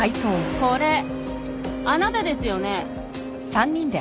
これあなたですよね？